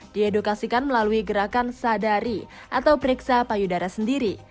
diedukasikan melalui gerakan sadari atau periksa payudara sendiri